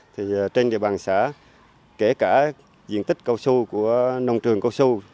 thì trên địa bàn xã kể cả diện tích câu su của nông trường câu su